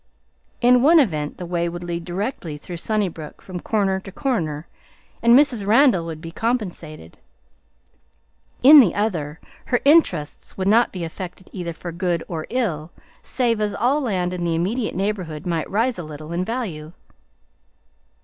In one event the way would lead directly through Sunnybrook, from corner to corner, and Mrs. Randall would be compensated; in the other, her interests would not be affected either for good or ill, save as all land in the immediate neighborhood might rise a little in value.